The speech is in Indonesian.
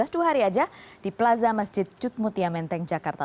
dua hari saja di plaza masjid jutmutia menteng jakarta